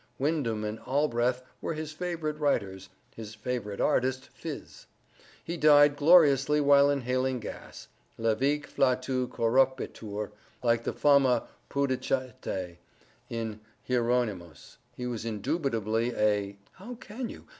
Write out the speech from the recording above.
Windham and Allbreath were his favorite writers,—his favorite artist, Phiz. He died gloriously while inhaling gas—levique flatu corrupitur, like the fama pudicitae in Hieronymus. {*1} He was indubitably a—" "How can you?